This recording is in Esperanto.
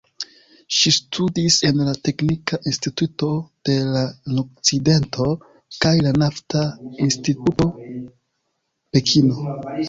Ŝi studis en la "Teknika Instituto de la Nordokcidento" kaj la "Nafta Instituto Pekino".